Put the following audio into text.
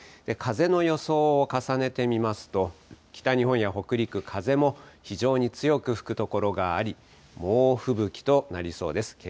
風の予想を重ねてみますと、北日本や北陸、風も非常に強く吹く所があり、猛吹雪となりそうです。